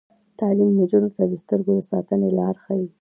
تعلیم نجونو ته د سترګو د ساتنې لارې ښيي.